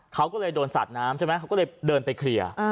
เขาก็เลยโดนสาดน้ำใช่ไหมเขาก็เลยเดินไปเคลียร์